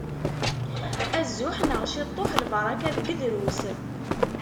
Azuḥ neɣ ciṭuḥ, lbaraka deg drus.